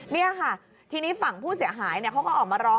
นี่ค่ะทีนี้ฝั่งผู้เสียหายเขาก็ออกมาร้อง